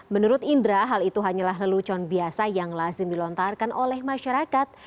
menurut indra hal itu hanyalah lelucon biasa yang lazim dilontarkan oleh masyarakat